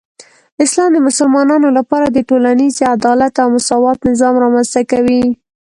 اسلام د مسلمانانو لپاره د ټولنیزې عدالت او مساوات نظام رامنځته کوي.